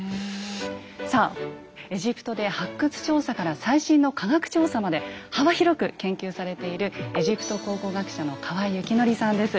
さあエジプトで発掘調査から最新の科学調査まで幅広く研究されているエジプト考古学者の河江肖剰さんです。